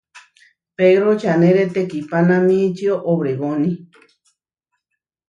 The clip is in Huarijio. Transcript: Pedró čanére teihpanamíčio obregóni.